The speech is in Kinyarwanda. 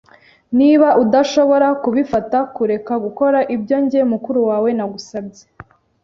Niba udashobora kubifata, kureka gukora ibyo njye, mukuru wawe, nagusabye.